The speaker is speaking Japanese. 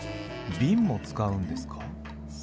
ビンも使うんですか？